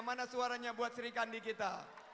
mana suaranya buat sri kandi kita